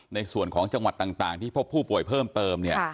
ในส่วนของจังหวัดต่างที่พบผู้ป่วยเพิ่มเติมเนี่ย